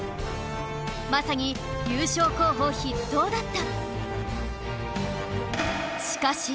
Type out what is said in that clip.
まさに優勝候補筆頭だった